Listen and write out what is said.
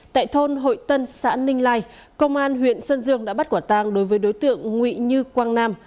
tại thôn hội tân xã ninh lai công an huyện sơn dương đã bắt quả tang đối với đối tượng nguy như quang nam